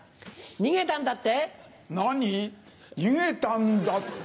「逃げたんだって？」